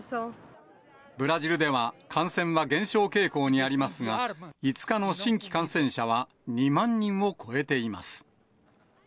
ブラジルでは、感染は減少傾向にありますが、５日の新規感染者は２万人を超えています。